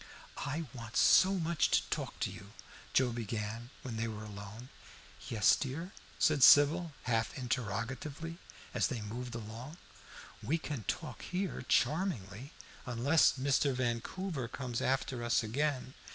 "I want so much to talk to you," Joe began, when they were alone. "Yes, dear?" said Sybil half interrogatively, as they moved along. "We can talk here charmingly, unless Mr. Vancouver comes after us again.